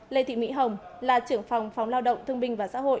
lê thị mỹ hồng là trưởng phòng phóng lao động thương binh và xã hội